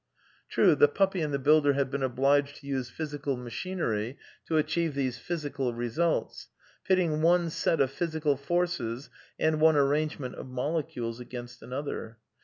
True, the puppy and the builder have been obliged to use physical machinery to achieve these physical results, pit ting one set of physical forces and one arrangement of molecules against another.